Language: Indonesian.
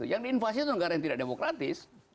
yang diinvasi itu negara yang tidak demokratis